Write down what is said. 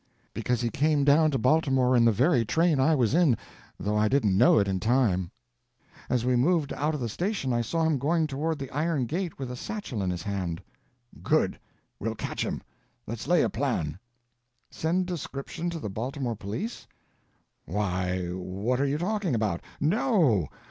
"Because he came down to Baltimore in the very train I was in, though I didn't know it in time. As we moved out of the station I saw him going toward the iron gate with a satchel in his hand." "Good; we'll catch him. Let's lay a plan." "Send description to the Baltimore police?" "Why, what are you talking about? No.